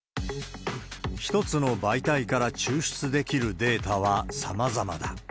１つの媒体から抽出できるデータはさまざまだ。